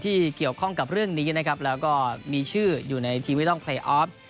ที่เกี่ยวข้องกับเรื่องนี้นะครับแล้วก็มีชื่ออยู่ในทีวีร่องเพลย์ออฟ